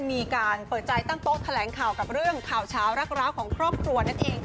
มีการเปิดใจตั้งโต๊ะแถลงข่าวกับเรื่องข่าวเช้ารักร้าวของครอบครัวนั่นเอง